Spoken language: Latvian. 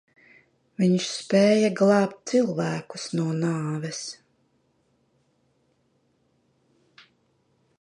Viņš spēja glābt cilvēkus no nāves?